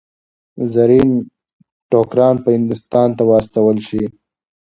زرین ټوکران به هندوستان ته واستول شي.